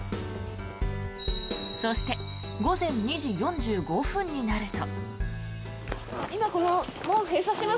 そして午前２時４５分になると。